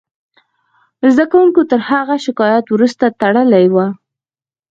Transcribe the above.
زده کوونکو تر هغه شکایت وروسته تړلې وه